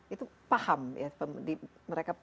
itu paham ya